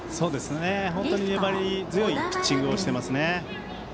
本当に粘り強いピッチングをしていますね。